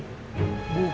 itu urusannya bang muhid